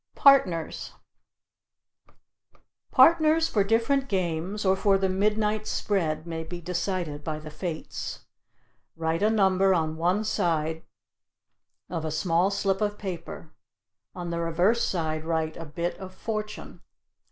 PARTNERS Partners for different games or for the midnight spread may be decided by the fates. Write a number on one side of a small slip of paper, on the reverse side write a bit of "fortune."